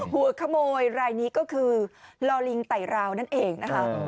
หัวขโมยรายนี้ก็คือลอลิงไต่ราวนั่นเองนะคะ